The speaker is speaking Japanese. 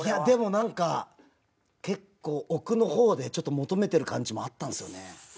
でも何か結構奥の方で求めてる感じもあったんですよね。